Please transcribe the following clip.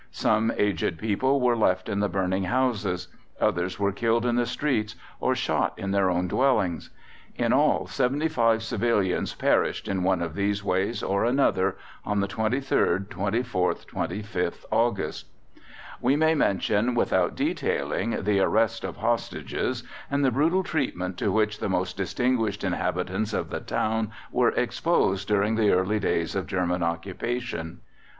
Some aged people were left in the burning houses: others were killed in the streets, or shot in their own dwellings. In all, seventy five civilians perished in one of these ways or another on the 23rd 24th 25th August. We may mention, without detailing, the arrest of hostages, and the brutal treatment to which the most distinguished inhabitants of the town were exposed during the early days of German occupation.